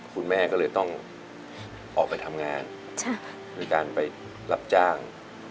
คุณแม่ก็เลยต้องออกไปทำงานโดยการไปรับจ้าง